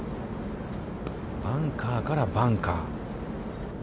バンカーからバンカー。